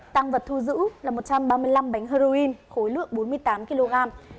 tăng vật thu giữ là một trăm ba mươi năm bánh heroin khối lượng bốn mươi tám kg